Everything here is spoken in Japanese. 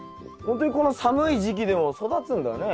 ほんとにこの寒い時期でも育つんだね。